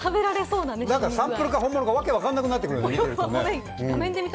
サンプルか本物か、なんか訳がわからなくなってくる。